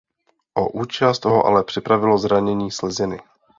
O účast ho ale připravilo zranění sleziny.